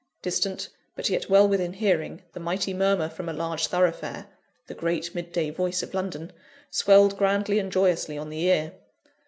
Distant, but yet well within hearing, the mighty murmur from a large thoroughfare the great mid day voice of London swelled grandly and joyously on the ear.